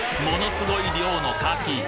ものすごい量の牡蠣！